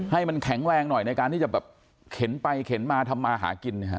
ให้มันแข็งแรงหน่อยในการที่จะแบบเข็นไปเข็นมาทำมาหากินเนี่ยฮะ